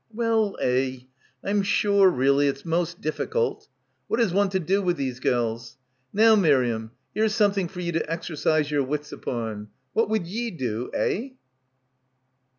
"Well, eh, I'm sure, really, it's most diffikilt. What is one to do with these gels? Now, Mir* iam, here's something for you to exercise your wits upon. What would ye do, eh?"